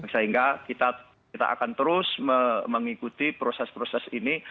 sehingga kita akan terus mengikuti proses proses ini